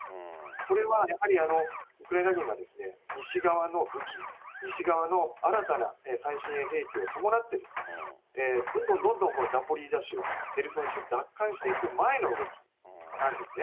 これはやはり、ウクライナ軍が西側の武器、西側の新たな最新鋭兵器を伴って、どんどんどんどんザポリージャ州、ヘルソン州を奪還していく前の動きなんですね。